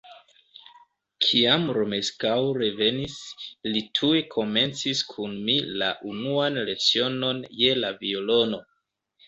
Kiam Romeskaŭ revenis, li tuj komencis kun mi la unuan lecionon je la violono.